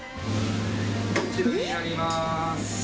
こちらになりまーす。